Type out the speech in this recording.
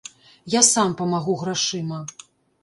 Я сам памагу грашыма.